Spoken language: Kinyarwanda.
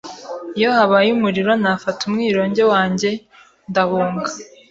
Iyo habaye umuriro, nafata umwironge wanjye ndahunga.